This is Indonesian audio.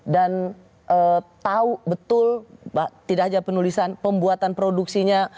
dan tahu betul tidak saja penulisan pembuatan produksinya